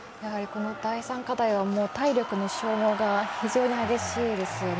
この第３課題は体力の消耗が非常に激しいですよね。